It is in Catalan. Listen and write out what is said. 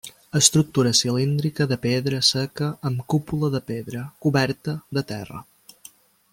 Estructura cilíndrica, de pedra seca, amb cúpula de pedra, coberta de terra.